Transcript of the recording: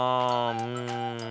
うん。